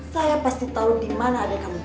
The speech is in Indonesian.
saya pasti tahu di mana adek kamu berada